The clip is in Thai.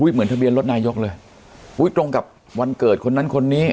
เหมือนทะเบียนรถนายกเลยอุ้ยตรงกับวันเกิดคนนั้นคนนี้